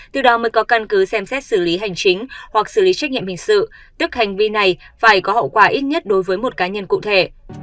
từ đó mới có căn cứ xem xét xử lý hành chính hoặc xử lý trách nhiệm hình sự tức hành vi này phải có hậu quả ít nhất đối với một cá nhân cụ thể